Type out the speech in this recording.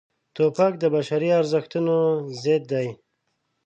توپک د بشري ارزښتونو ضد دی.